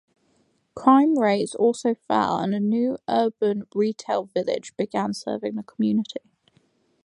Crime rates also fell and a new urban retail village began serving the community.